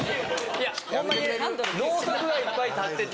いやホンマにろうそくがいっぱい立ってて。